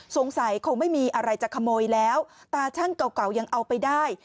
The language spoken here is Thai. สงสัยคงไม่มีอะไรจะขโมยแล้วตาช่างเก่าเก่ายังเอาไปได้